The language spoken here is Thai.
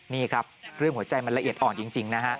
นี่ครับเรื่องหัวใจมันละเอียดอ่อนจริงนะฮะ